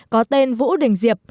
có tên vũ đình diệp